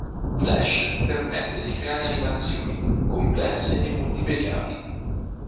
Flash permette di creare animazioni complesse e multimediali.